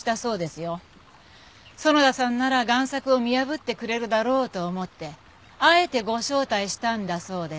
園田さんなら贋作を見破ってくれるだろうと思ってあえてご招待したんだそうです。